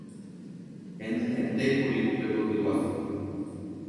Henyhẽtékuri upe koty guasu.